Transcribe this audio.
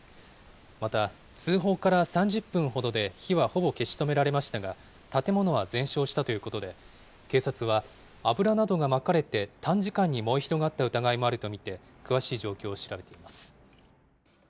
また通報から３０分ほどで火はほぼ消し止められましたが、建物は全焼したということで、警察は、油などがまかれて短時間に燃え広がった疑いもあると見て、詳しい状況を調べています。